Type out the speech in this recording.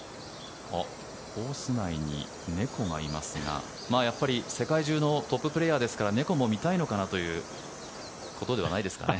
コース内に猫がいますがやっぱり世界中のトッププレーヤーですから猫も見たいのかなということではないですかね。